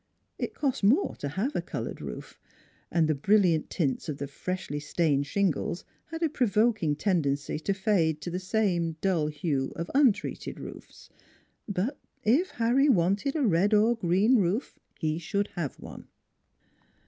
It cost more to have a colored roof, and the brilliant tints of the freshly stained shingles had a provoking tend NEIGHBORS 93 ency to fade to the same dull hue of untreated roofs. But if Harry wanted a red or green roof he should have one.